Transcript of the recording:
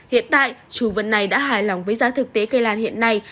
hiện tại chủ vườn này đã hài lòng với giá thực tế cây lan hiện nay